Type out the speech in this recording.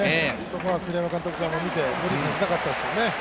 栗山監督から見て無理させたくなかったんですよね。